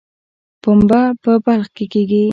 پنبه په بلخ کې کیږي